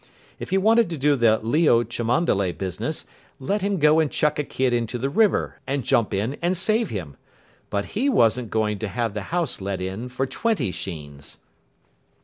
If he wanted to do the Leo Cholmondeley business, let him go and chuck a kid into the river, and jump in and save him. But he wasn't going to have the house let in for twenty Sheens.